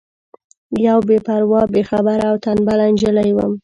یوه بې پروا بې خبره او تنبله نجلۍ وم.